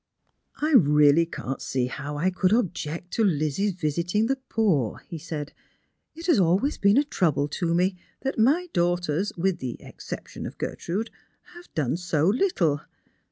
" I really can't see how I could object to Lizzie's visiting the poor," he said. " It has always been a trouble to me that my daughters, with the excejition of Gertrude, have done so little.